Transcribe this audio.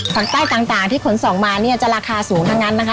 ฝั่งใต้ต่างที่ขนส่งมาเนี่ยจะราคาสูงทั้งนั้นนะคะ